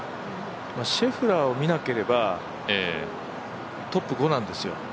シェフラーを見なければトップ５なんですよ。